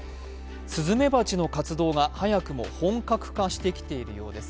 スズメバチの活動が早くも本格化してきているようです。